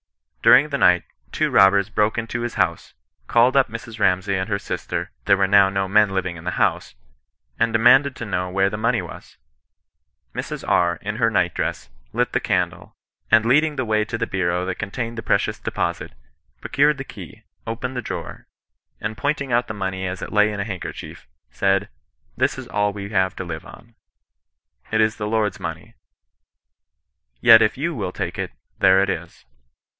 During the night, two robbers broke into his house, called up Mrs. Ramsay and her sister (there were no men living in the house), and demanded to know where the money was. Mrs R., in her night dress, lit the candle, and leading the way to the bureau that con tained the precious deposit, procured the key, opened the drawer, and pointing out the money as it lay in a handkerchief, said, ' This is all we hav^ to live on. It is the Lord's money. Yet, if you wiU take it, there it is.'